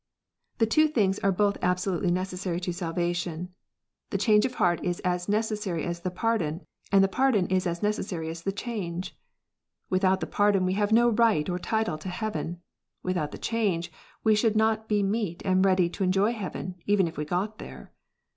The two things are both absolutely necessary to salvation. The change^ of heart is as neoessary as the pardon ; and^the pardon is as necessary as the change. Without the pardon we have no right or title to heaven. Without the change we should not be meet and ready to enjoy heaven, even if we got there.